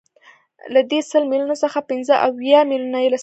له دې سل میلیونو څخه پنځه اویا میلیونه یې ثابته ده